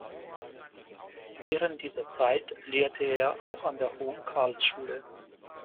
Während dieser Zeit lehrte er auch an der Hohen Karlsschule.